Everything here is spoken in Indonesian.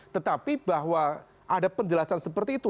tetapi bahwa ada penjelasan seperti itu